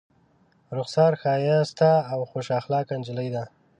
رخسار ښایسته او خوش اخلاقه نجلۍ ده.